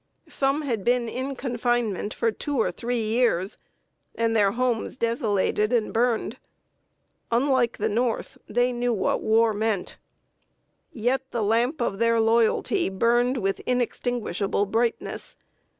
Some had been in confinement for two or three years, and their homes desolated and burned. Unlike the North, they knew what war meant. Yet the lamp of their loyalty burned with inextinguishable brightness.